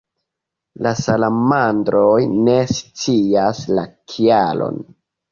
La salamandroj ne scias la kialon.